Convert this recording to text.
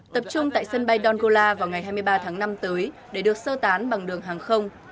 tập trung tại sân bay dongola vào ngày hai mươi ba tháng năm tới để được sơ tán bằng đường hàng không